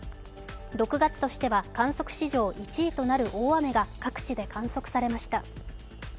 ６月としては観測史上１位となる大雨が各地で観測されました。